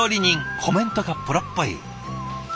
コメントがプロっぽい。